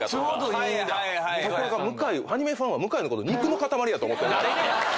ところがアニメファンは向のこと肉の塊やと思うてるから。